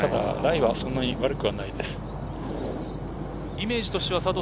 ライはそんなに悪くないです。